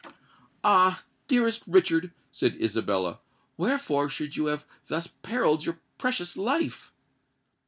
"Ah! dearest Richard," said Isabella, "wherefore should you have thus perilled your precious life?"